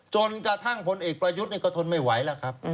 จนกระทั่งพลเอกประยุทธ์ก็ทนไม่ไหวแล้วครับ